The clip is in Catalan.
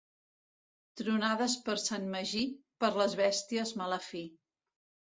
Tronades per Sant Magí, per les bèsties mala fi.